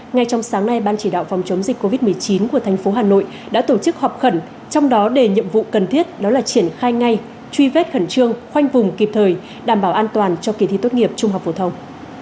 ngay trong sáng nay ban chỉ đạo phòng chống dịch covid một mươi chín của thành phố hà nội đã tổ chức họp khẩn trong đó đề nhiệm vụ cần thiết đó là triển khai ngay truy vết khẩn trương khoanh vùng kịp thời đảm bảo an toàn cho kỳ thi tốt nghiệp trung học phổ thông